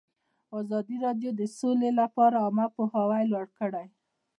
ازادي راډیو د سوله لپاره عامه پوهاوي لوړ کړی.